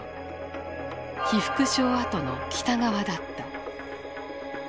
被服廠跡の北側だった。